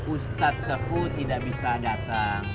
ustadz sefud tidak bisa datang